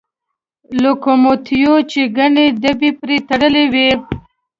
لوکوموتیو چې ګڼې ډبې پرې تړلې وې.